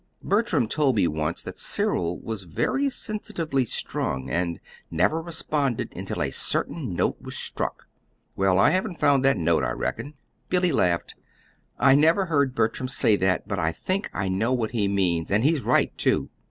Bertram told me once that Cyril was very sensitively strung, and never responded until a certain note was struck. Well, I haven't ever found that note, I reckon." Billy laughed. "I never heard Bertram say that, but I think I know what he means; and he's right, too.